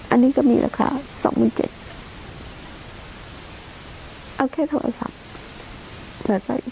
อันนี้ก็มีราคาสองหมื่นเจ็ดเอาแค่โทรศัพท์